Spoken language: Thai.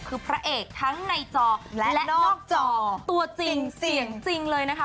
คือพระเอกทั้งในจอและนอกจอตัวจริงเสียงจริงเลยนะคะ